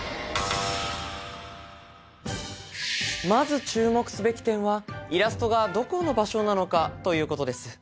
まず注目すべき点はイラストがどこの場所なのかということです。